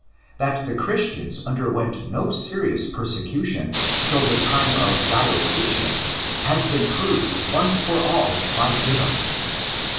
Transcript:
That the Christians under went no serious persecution till the time of Diocletian has been proved once for all by Gibbon.